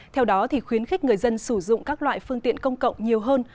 theo đó khuyến khích người dân sử dụng các loại phương tiện công cộng nhiều hơn